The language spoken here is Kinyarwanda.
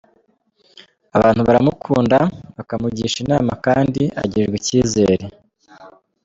Abantu baramukunda, bakamugisha inama kandi agirirwa icyizere.